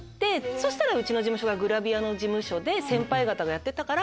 そしたらうちの事務所がグラビアの事務所で先輩方がやってたから。